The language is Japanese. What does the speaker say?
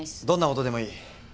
どんなことでもいい。